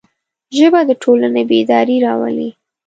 ژبه د ټولنې بیداري راولي